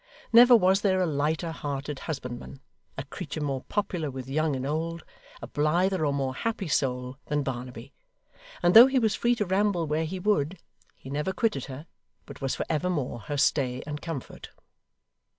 Never was there a lighter hearted husbandman, a creature more popular with young and old, a blither or more happy soul than Barnaby; and though he was free to ramble where he would, he never quitted Her, but was for evermore her stay and comfort.